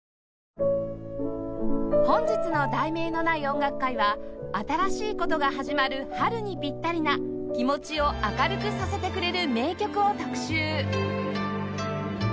本日の『題名のない音楽会』は新しい事が始まる春にピッタリな気持ちを明るくさせてくれる名曲を特集